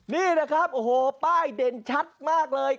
นี่นะครับโอ้โหป้ายเด่นชัดมากเลย